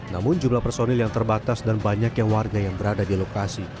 namun jumlah personil yang terbatas dan banyaknya warga yang berada di lokasi